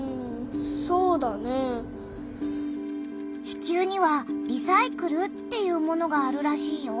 地球には「リサイクル」っていうものがあるらしいよ。